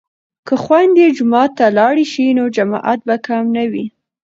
که خویندې جومات ته لاړې شي نو جماعت به کم نه وي.